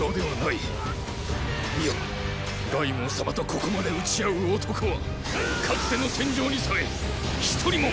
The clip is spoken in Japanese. いや凱孟様とここまで撃ち合う男はかつての戦場にさえ一人も！